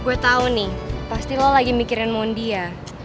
gue tau nih pasti lo lagi mikirin mondi ya